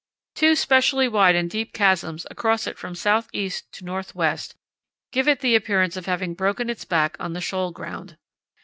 Two specially wide and deep chasms across it from south east to north west give it the appearance of having broken its back on the shoal ground.